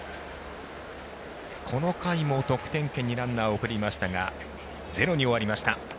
この回も得点圏にランナーを送りましたがゼロに終わりました。